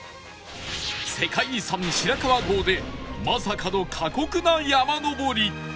世界遺産白川郷でまさかの過酷な山登り